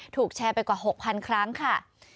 ถูกแชร์ไปกว่า๖๐๐๐ครั้งค่ะ